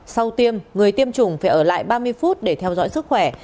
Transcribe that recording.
sau tiêm người tiêm chủng phải ở lại ba mươi phút để theo dõi sức khỏe